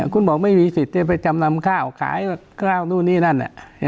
คุณบอกไม่มีสิทธิ์จะไปจำนำข้าวขายข้าวนู่นนี่นั่น